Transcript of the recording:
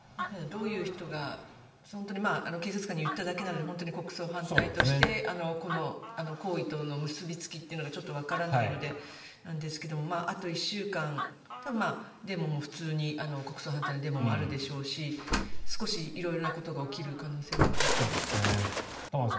どういう人が警察官に言っただけなので本当に国葬反対として行為との結びつきというのがちょっとわからないんですけどあと１週間、もう普通に国葬反対のデモもあるでしょうし少し色々なことが起きる可能性はあるでしょうね。